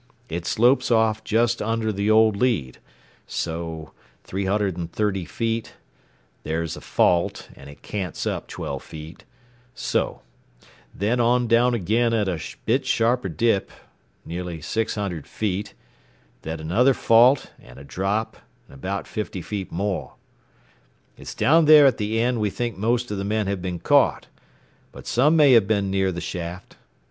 It slopes off just under the old lead so 330 feet, there's a fault, and it cants up 12 feet so then on down again at a bit sharper dip, nearly 600 feet; then another fault and a drop, and about 50 feet more. "It's down there at the end we think most of the men have been caught, but some may have been near the shaft.